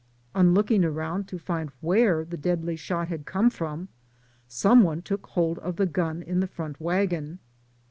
On looking around to find where the deadly shot had come from, some one took hold of the gun in the front wagon.